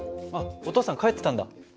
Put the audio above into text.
あっお父さん帰ってたんだ。